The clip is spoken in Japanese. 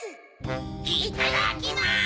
・いっただきます！